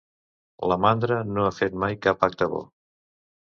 La mandra no ha fet mai cap acte bo.